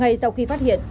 ngay sau khi phát hiện